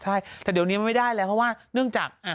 ใช่แต่เดี๋ยวนี้มันไม่ได้แล้วเพราะว่าเนื่องจาก